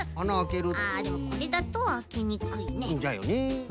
あでもこれだとあけにくいね。